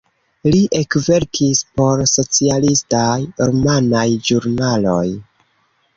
Li ekverkis por socialistaj rumanaj ĵurnaloj.